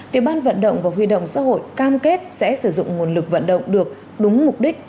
tiểu ban vận động và huy động xã hội cam kết sẽ sử dụng nguồn lực vận động được đúng mục đích